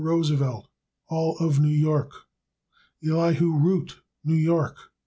Roosevelt, New York. Elihu Root, New York.